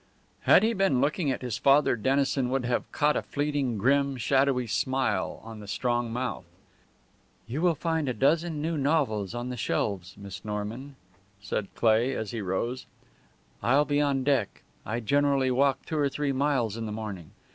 Had he been looking at his father Dennison would have caught a fleeting, grim, shadowy smile on the strong mouth. "You will find a dozen new novels on the shelves, Miss Norman," said Cleigh as he rose. "I'll be on deck. I generally walk two or three miles in the morning.